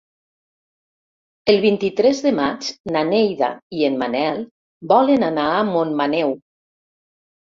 El vint-i-tres de maig na Neida i en Manel volen anar a Montmaneu.